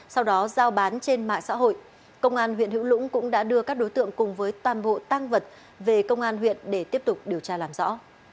sau đó giao bán trên mạng xã hội công an huyện hữu lũng cũng đã đưa các đối tượng cùng với toàn bộ tăng vật về công an huyện để tiếp tục điều tra làm rõ